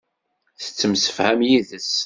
Tettemsefham yid-s.